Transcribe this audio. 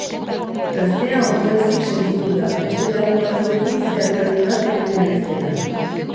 Gaztea ondoezik sentitu da beste lagun batzuekin zeharkaldi bat egiten ari zela.